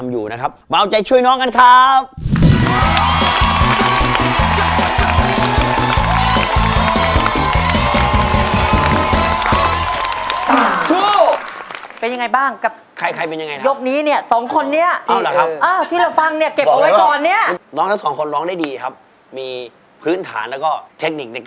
หรือว่าคุณคุณคุณคุณคุณคุณคุณคุณคุณ